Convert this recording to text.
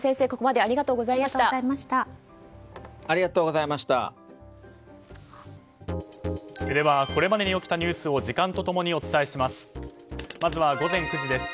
ではこれまでに入ってきたニュースを時間と共にお伝えします。